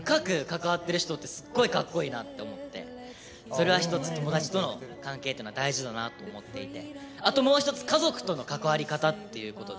それは一つ友達との関係っていうのは大事だなと思っていて。